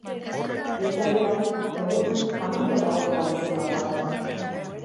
Beste aldean, egun agintean dagoen koalizioa dago.